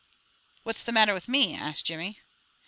"What's the matter with me?" asked Jimmy.